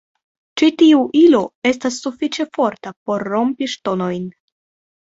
Ĉi tiu ilo estas sufiĉe forta por rompi ŝtonojn.